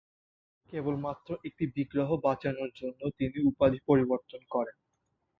কেবলমাত্র এই বিগ্রহটি বাঁচানোর জন্য তিনি তার উপাধি পরিবর্তন করেন।